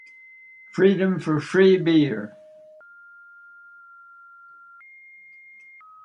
Freedom for free beer.